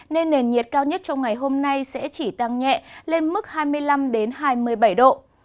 nên nền nhiệt cao nhất trong ngày hôm nay sẽ chỉ tăng nhẹ lên mức hai mươi năm hai mươi bảy độ